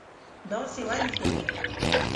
داسی ولې کوي